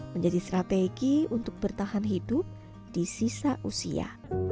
menjadi strategi untuk bertahan hidup di sisa usia